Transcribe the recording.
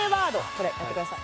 これやってください。